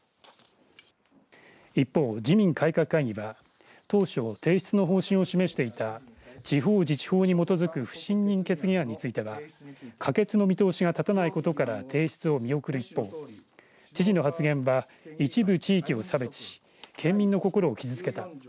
一方、自民改革会議は当初、提出の方針を示していた地方自治法に基づく不信任決議案については可決の見通しが立たないことから提出を見送る一方知事の発言は、一部地域を差別し県民の心を傷付けた。